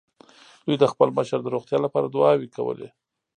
دوی د خپل مشر د روغتيا له پاره دعاوې کولې.